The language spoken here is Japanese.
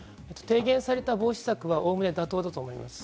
提言された防止策は大体妥当だと思います。